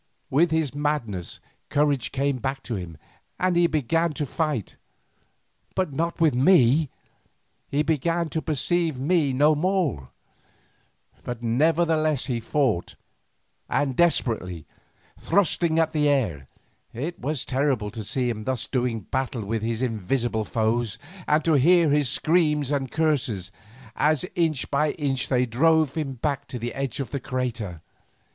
With his madness courage came back to him, and he began to fight, but not with me. He seemed to perceive me no more, but nevertheless he fought, and desperately, thrusting at the empty air. It was terrible to see him thus doing battle with his invisible foes, and to hear his screams and curses, as inch by inch they drove him back to the edge of the crater.